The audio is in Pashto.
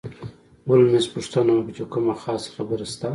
هولمز پوښتنه وکړه چې کومه خاصه خبره شته.